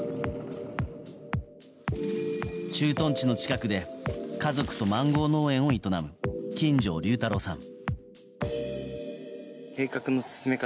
駐屯地の近くで家族とマンゴー農園を営む金城龍太郎さん。